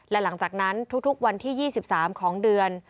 และหลังจากนั้นทุกวันที่๒๓ของเดือน